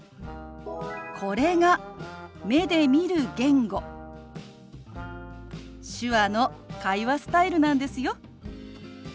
これが目で見る言語手話の会話スタイルなんですよ。